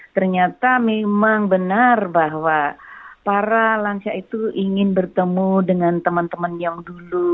ternyata memang benar bahwa para lansia itu ingin bertemu dengan teman teman yang dulu